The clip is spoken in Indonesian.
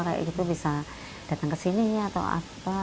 kayak gitu bisa datang ke sini atau apa